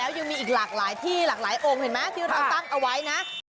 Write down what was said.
ยังมีอีกหลากหลายที่หลากหลายองค์เห็นไหมที่เราตั้งเอาไว้นะ